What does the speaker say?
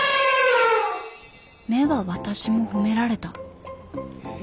目は私も褒められたええ？